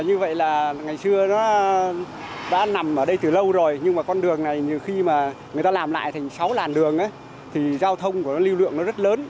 như vậy là ngày xưa nó đã nằm ở đây từ lâu rồi nhưng mà con đường này khi mà người ta làm lại thành sáu làn đường thì giao thông của nó lưu lượng nó rất lớn